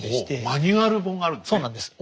マニュアル本があるんですね。